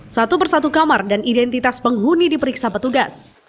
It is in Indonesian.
satu persatu kamar dan identitas penghuni diperiksa petugas